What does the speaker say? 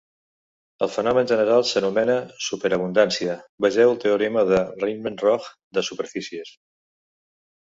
El fenomen general s'anomena superabundància; vegeu el teorema de Riemann-Roch de superfícies.